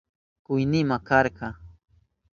Kuynima karka.